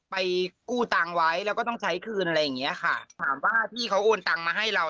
ไปกู้ตังค์ไว้แล้วก็ต้องใช้คืนอะไรอย่างเงี้ยค่ะถามว่าพี่เขาโอนตังค์มาให้เรา